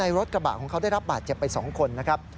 รถกระบะของเขาได้รับบาดเจ็บไป๒คนนะครับ